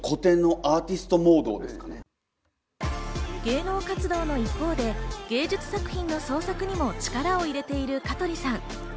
芸能活動の一方で、芸術作品の創作にも力を入れている香取さん。